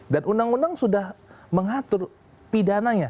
dan undang undang sudah mengatur pidananya